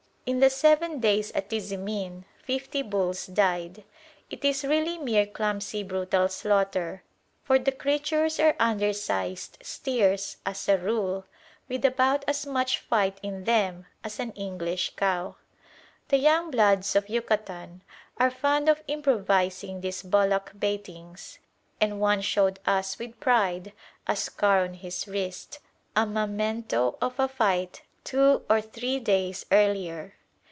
In the seven days at Tizimin fifty bulls died. It is really mere clumsy brutal slaughter, for the creatures are undersized steers as a rule, with about as much fight in them as an English cow. The young bloods of Yucatan are fond of improvising these bullock baitings; and one showed us with pride a scar on his wrist, a memento of a fight two or three days earlier.